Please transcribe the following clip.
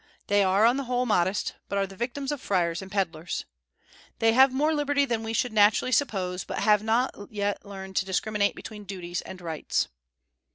They are on the whole modest, but are the victims of friars and pedlers. They have more liberty than we should naturally suppose, but have not yet learned to discriminate between duties and rights.